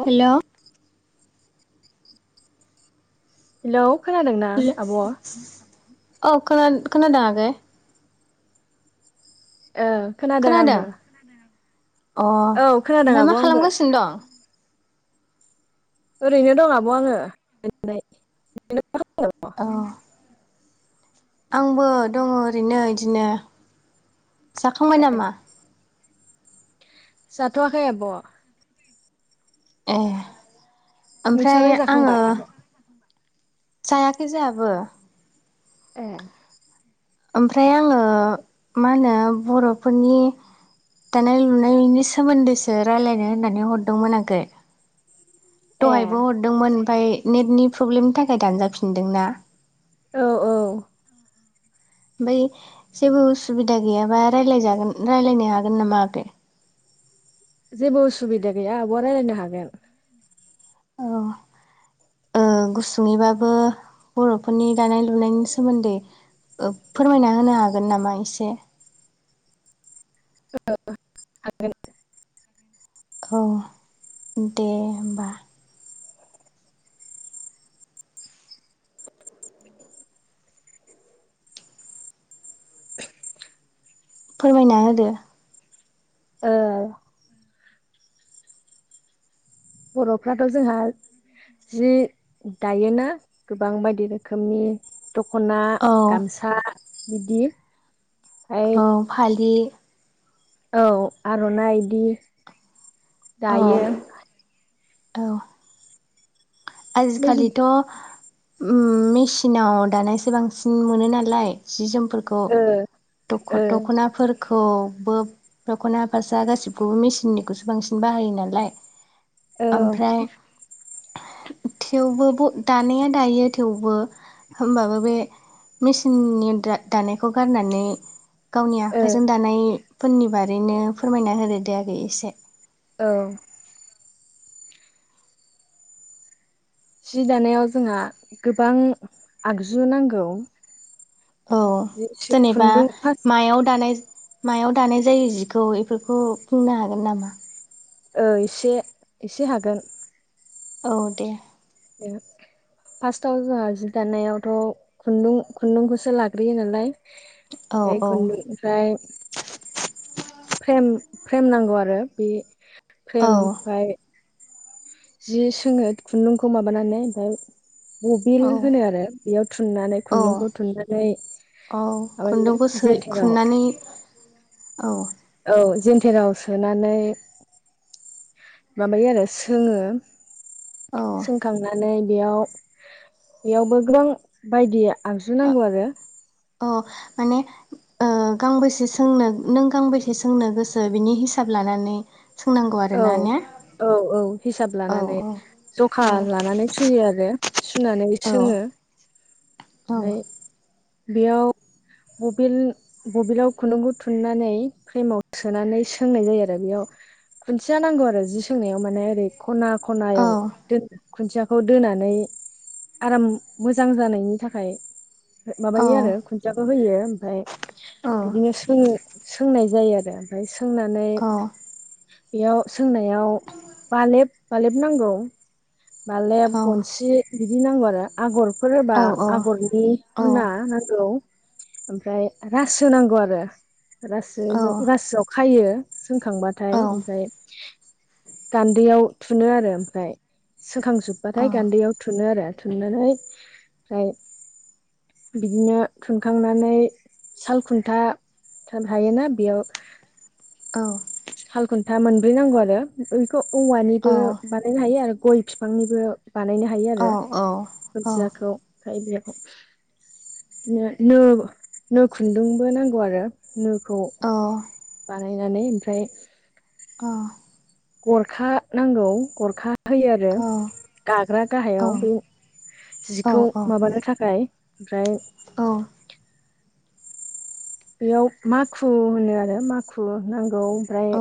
औ hello hello खोनादों ना आब'? औ खोना खोनादों आगै? ओ खोनादों आंबो। अ औ खोनादों ओमफ्राय आब' मा आंबो खालामगासिनो दं? ओरैनो दं आब' आङो। [unintelligible] औ। आंबो दङ' ओरैनो इदिनो। जाखांबाय नामा? जाथ'वाखै आब'। ए ओमफ्राय नोंस्रालाय आङो। जाखांबाय आब' जायाखै जोहाबो ए ओमफ्राय आङो मा होनो बर'फोरनि दानाय लुनायनि सोमोन्दैसो राय्लायनो होननानै हरदोंमोन आगै ए दहायबो हरदोंमोन ओमफफ्राय नेटनि प्रब्लेमनि थाखाय दानजाफिनदों ना। औ-औ ओमफ्राय जेबो उसुबिदा गैयाबा राय्लायजागोन राय्लायनो हागोन नामा आगै। जेबो उसुबिदा गैया आबवा रायलायनो हागोन। औ। गुसुङैबाबो बर'फोरनि दानाय लुनायनि सोमोन्दै फोरमायना होनो हागोन नामा एसे औ हागोन। औ दे होमबा। फोरमायना होदो ओ बर'फ्राथ' जोंहा जि दायोना गोबां बायदि रोखोमनि दख'ना औ गामसा बिदि ओमफ्राय औ फालि औ आर'नाइ बिदि औ दायो। औ। बे आजिखालिथ' मेसिनाव दानायसो बांसिन मोनो नालाय जि जोम फोरखौ ओ ओ दख'नाफोरखौ दख'ना फासा गासिबखौबो मेसिननिखौसो बांसिन बाहायो नालाय औ ओमफ्राय थेवबो दानाया दायो थेवबो होमबाबो बे मेसिननि दानायखौ गारनानै गावनि ओ आखाइजों दानायफोरनि बारैनो फोरमायना होदो दे आगै एसे औ। जि दानायाव जोंहा गोबां आगजु नांगौ औ जेनेबा खुन्दुं फार्स्ट मायाव दानाय मायाव दानाय जायो जिखौ बेफोरखौ बुंनो हागोन नामा? औ एसे एसे हागोन। औ दे। [unintelligible] [inaudible] फासटाव जोंहा जि दानायावथ' खुन्दुं खुन्दुंखौसो लाग्रोयो नालाय औ बे औ खुन्दुंनिफ्राय फ्रेम फ्रेम नांगौ आरो बे औ फ्रेमहाय जि सोङो खुन्दुंखौ माबानानै ओमफ्राय बबिल औ होनो आरो बेयाव थुननानै औ खुन्दुंखौ थुननानै औ माबायो खुन्दुंखौ सो जेेनथेराव खुननानै औ। औ जेन्थेराव सोनानै माबायो आरो सोङो। सोंखांनानै बेयाव बेयावबो गोबां बायदि आगजु नांगौ आरो अ माने ओ ओ गांबेसे सोंनो नों गांबेसे सोंनो गोसो बिनि हिसाब लानानै सोंनांगौ औ आरोना ने औ औ हिसाब औ लानानै औ जखा लानानै सुयो आरो सुनानै औ सोङो ओमफ्राय बेयाव बबिल बबिलाव खुन्दुं गु थुननानै फ्रेमाव सोनानै सोंनाय जायो आरो बेयाव खुन्थिया नांगौ आरो जि सोंनायाव माने ओरै खना औ खनायाव दोन खुन्थियाखौ दोनानै आराम मोजां जानायनि थाखाय औ माबायो आरो खुन्थियाबो होयो ओमफ्राय बिदिनो सोङो सोंनाय जायो आरो ओमफ्राय सोंनानै औ बेयाव सोंनायाव बालेब बालेब नांगौ बालेब गनसि बिदि नांगौ आरो आगरफोर औ होबा आगरनि औ मोना नांगौ ओमफ्राय रासो नांगौ आरो रासो औ रासोआव खायो औ सोंखांबाथाय ओमफ्राय गान्दैयाव थुनो आरो ओमफ्राय सोंखांजोबबाथाय औ औ गान्दैयाव थुनो आरो बुथुमनानै ओमफ्राय बिदिनो थुनखांनानै साल खुन्था थोर थायोना बियाव औ साल खुन्था मोनब्रै नांगौ आरो बेखौ औवानिबो बानायनो हायो आरो गय बिफांनिबो बानायनो हायो आरो खुनथियाखौ ओमफ्राय बे नो नो नो खुन्दुंबो नांगौ आरो नो औ। बानायनानै ओमफ्राय अ गरखा नांगौ गरखा होयो आरो गाग्रा गाहायाव बे औ जिखौ माबानो थाखाय ओमफ्राय औ बेयाव माखु होनो आरो माखु नांगौ ओमफ्राय औ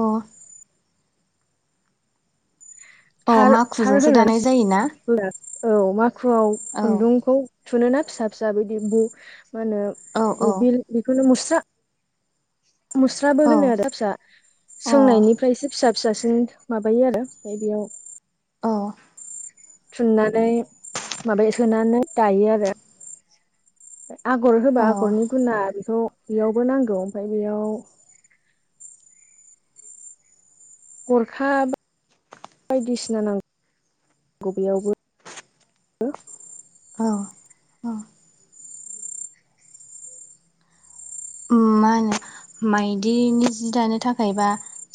औ थार थार माखुजोंसो होनानै दानाय जायोना होआ औ माखुआव औ खुन्दुंखौ थुुनोना फिसा फिसा बिदि बि मा होनो औ औ बबिल बेखौनो मुस्रा मुस्राबो होनो औ आरो फिसा अ औ सोंनायनिफ्रायसो फिसा फिसासिनि माबायो आरो ओमफ्राय बेयाव थुननानै माबाया सोनानै दायो आरो आगर होबा औ आगरनि गुना बेखौ बेयावबो नांगौ ओमफ्राय बेयाव गरखा बायदिसिना नांगौ बबेयावबो हो औ औ ओ मा होनो माइदिनि जि दानो थाखायबा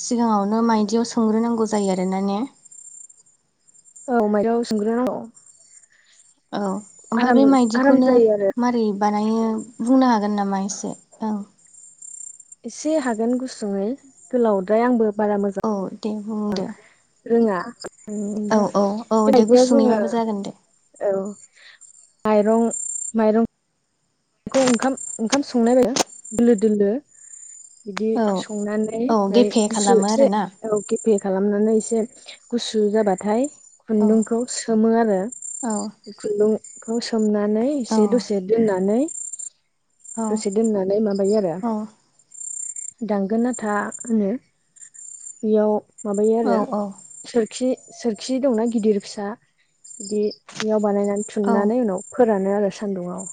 सिगाङावनो मायदियाव सोंग्रोनांगौ जायो आरोना ने औ माइदिआव सोमग्रो नांगौ। औ ओमफफ्राय बे माइदिखौनो जायो आरो मारै बानायो बुंनो हागोन नामा एसे ओं एसे हागोन गुसुङै गोलावद्राय आंबो बारा मोजां औ दे बुंदो रोङा औ ओमफ्राय औ औ दे बेबायदियाव जोङो गुसुङैबाबो जागोन दे औ माइरं माइरं बेखौ ओंखाम ओंखाम संनाय दोलो दोलो बिदि औ संनानै औ ओमफ्राय गेफे गुस्रु खालामो एसे आरोना गेफे खालामनानै एसे गुसु जाबाथाय औ खुन्दुंखौ सोमो आरो औ खुन्दुंखौ सोमनानै औ एसे दसे दोननानै दसे दोननानै माबायो आरो औ दांगोन नाथा होनो बेयाव माबायो औ आरो औ सोर खि सोरखि दंना गिदिर फिसा बिदि बेयाव बानायनानै औ थुननानै उनाव फोर फोरानो आरो सान्दुंआव।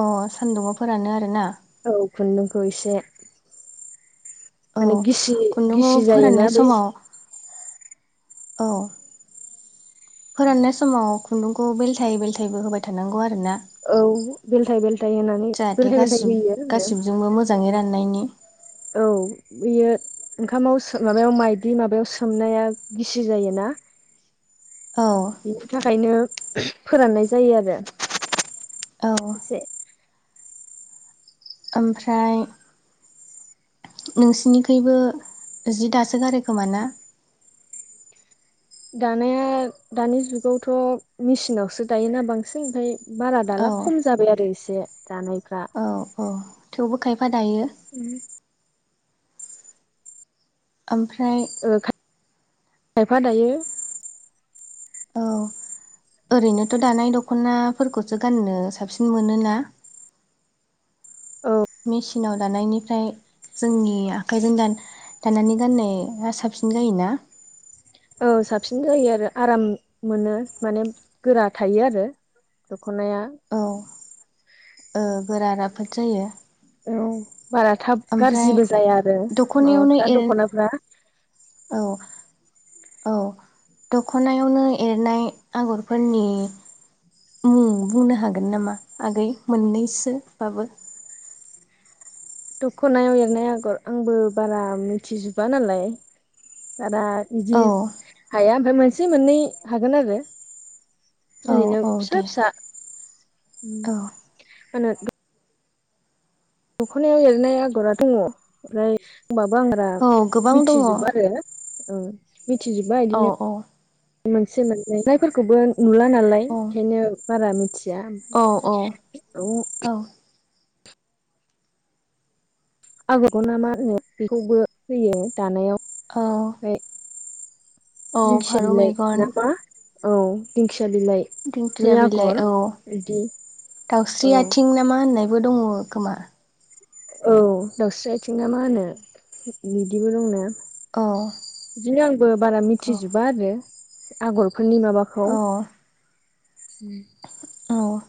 अ सान्दुंआव फोरानो आरो ना? औ खुन्दुंखौ इसे माने औ गिसि खुन्दुंखौ गिसि फोराननाय जायोना बै समाव औ। फोराननाय समाव खुन्दुंखौ बेलथायै बेलथायबो होबाय थानांगौ आरो ना? औ बेलथाय बेलथाय होनानै जाहाथे बेलथाय बेलथाय होयो आरो जोङो। मोननायनि औ बियो ओंखामाव सो माबायाव माइदि माबायाव सोमनाया गिसि जायोना। [inaudible] औ। ओंखायनो फोराननाय जायो आरो औ एसे ओमफ्राय नोंसिनिखैबो जि दासो गारो खोमा ना? दानाया दानि जुगावथ' मेसिनावसो दायोना बांसिन ओमफाय बारा औ दाला खम जाबाय आरो एसे दानायफ्रा। औ औ थेवबो खायफा दायो। ओमफ्राय ओ खायफा दायो औ। ओरैनोथ' दानाय दख'नाफोरखौसो गाननो साबसिन मोनोना? मेसिनाव दानायनिफ्राय जोंनि आखाइजों दान दानानानै गाननाया साबसिन जायोना? औ साबसिन जायो आरो आराम मोनो माने गोरा थायो आरो। दख'नाया औ ओ, गोरा राफोद जायो। औ। बारा थाब ओमफ्राय गाज्रिबो जाया आरो दख'नायावनो माबाफ्रा एर दख'नाफ्रा औ औ दख'नायावनो एरनाय आगरफोरनि बुंनो हागोन नामा आगै मोननैसोबाबो? दख'नायाव एरनाय आगर आंबो बारा मिथिजोबा नालाय बारा बिदि औ हाया ओमफ्राय मोनसे मोननै हागोन आरो। औ ओरैनो औ फिसा दे फिसा औ दख'नायाव एरनाय आगरा दङ ओमफ्राय होनबाबो आं बारा औ गोबां दङ औ मिथिजोबा आरो मिथिजोबबा औ बिदिनो मोनसे मोनै जायफोरखौबो नुला नालाय औ ओंखायनो बारा मिथि [inaudible] औ औ आगरखौ ना मा होनो बेखौबो होयो दानायाव औ। ओमफ्राय औ दिंखिया फारौ बिलाइ मेगन ना मा? औ दिंखि दिंखिया बिलाइ, औ बिदि औ दाउस्रि आथिं नामा होनना बो दङ खोमा? औ दाउस्रि आथिं ना मा होनो बिदिबो दंना। औ बिदिनो आंबो बारा औ मिथिजोबा आरो आगरफोरनि माबाखौ औ उम औ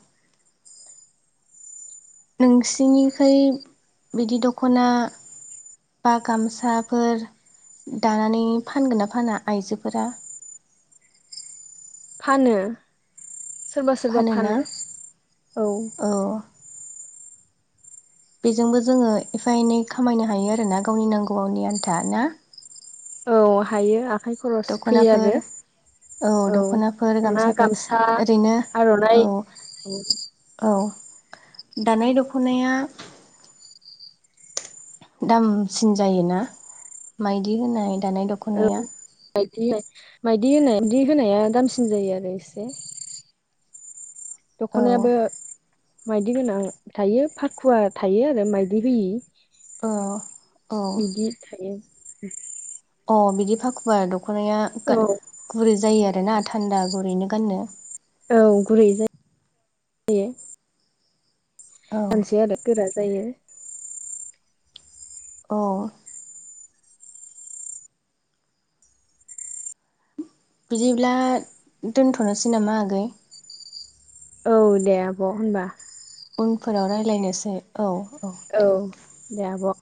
नोंसिनिखै बिदि दख'ना बा गामसाफोर दानानै फानगोन ना फाना आइजोफोरा? फानो सोरबा सोरबा फानोना फानो औ बेजोंबो जोङो एफा एनै खामायनो हायो आरो ना गावनि नांगौनि आन्था ना औ हायो आखाइ खरस फैयो दख'नाफोर आरो औ दख'नाफोर औ गामसाफोर गामसा ओरैनो औ आर'नाइ औ औ दानाय दख'नाया दामसिन जायोना मायदि होनाय दानाय औ दख'नाया माइदि माइदि होनाय बिदि होनाया दामसिन जायो आरो इसे। औ दख'नायाबो माइदि गोनां थायो फाखुवा थायो आरो माइदि होयि। औ औ बिदि थायो। अ बिदि फाखुवा दख'नाया गा औ गुरै जायो आरो आरोना थान्दा गुरैनो गाननो औ गुरै जायो। औ मानसे आरो गोरा जायो। औ बिदिब्ला दोनथ'नोसै नामा आगै औ दे आब' होनबा। उनफोराव रायज्लायनोसै औ औ दे आब'।